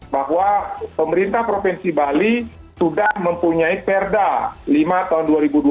bahwa pemerintah provinsi bali sudah mempunyai perda lima tahun dua ribu dua puluh